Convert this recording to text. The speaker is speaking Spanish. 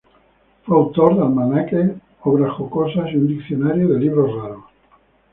Fue autor de almanaques, obras jocosas y un diccionario de libros raros.